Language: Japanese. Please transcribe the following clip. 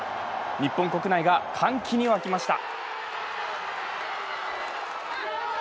日本国内が歓喜に沸きました。